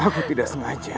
aku tidak sedih